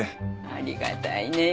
ありがたいねえ。